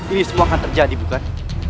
ini semua akan terjadi bukan